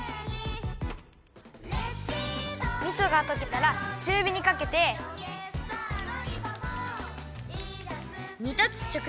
みそがとけたらちゅうびにかけて。にたつちょく